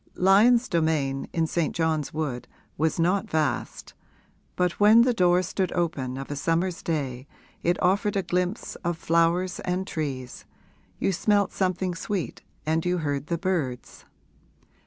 Lyon's domain, in St. John's Wood, was not vast, but when the door stood open of a summer's day it offered a glimpse of flowers and trees, you smelt something sweet and you heard the birds.